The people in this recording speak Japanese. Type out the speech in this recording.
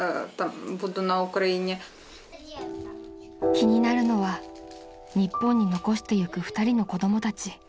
［気になるのは日本に残してゆく２人の子供たち］